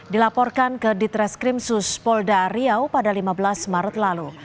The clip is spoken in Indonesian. dilaporkan ke ditreskrimsus polda riau pada lima belas maret lalu